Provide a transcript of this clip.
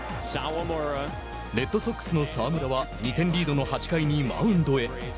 レッドソックスの澤村は２点リードの８回にマウンドへ。